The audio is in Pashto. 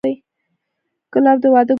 ګلاب د واده ګل دی.